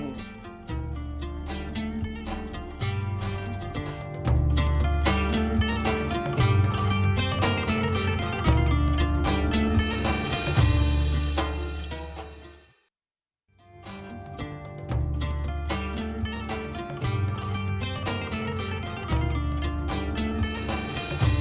baik siapkan ya